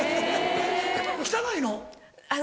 汚いの？